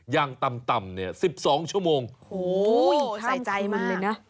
ย่างตำตำเนี่ยสิบสองชั่วโมงโอ้โหใส่ใจมาก